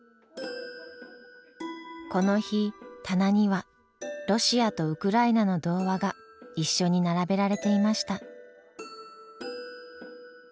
この日棚にはロシアとウクライナの童話が一緒に並べられていました。